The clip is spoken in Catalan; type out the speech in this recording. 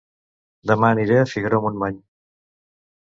Dema aniré a Figaró-Montmany